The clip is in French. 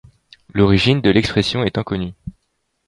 L'origine de l'expression est inconnue.